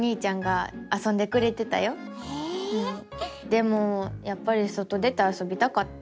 でもやっぱり外出てあそびたかった。